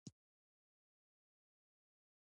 چمتووالی پر نفس د باور لامل کېږي.